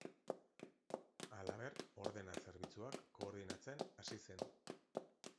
Halaber, ordena-zerbitzuak koordinatzen hasi zen.